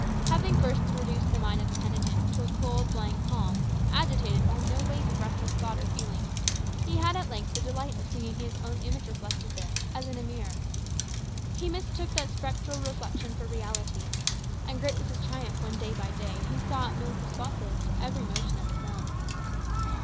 Having first reduced the mind of the penitent to a cold, blank calm, agitated by no wave of restless thought or feeling, he had at length the delight of seeing his own image reflected there, as in a mirror. He mistook that spectral reflection for a reality, and great was his triumph when, day by day, he saw it move responsive to every motion of his own.